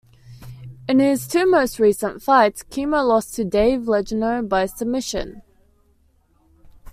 In his two most recent fights, Kimo lost to Dave Legeno by submission.